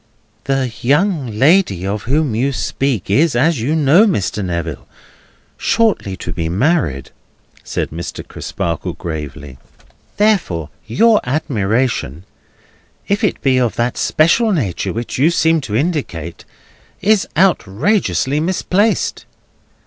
"The young lady of whom you speak is, as you know, Mr. Neville, shortly to be married," said Mr. Crisparkle, gravely; "therefore your admiration, if it be of that special nature which you seem to indicate, is outrageously misplaced.